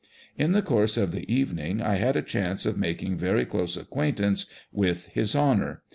In the course of the evening I had a chance of making very close acquaintance with " his Honour."